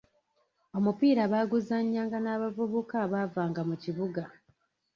Omupiira baaguzanyanga n'abavubuka abavanga mu kibuga.